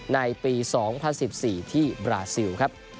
ในปี๒๐๑๔ที่บราซิล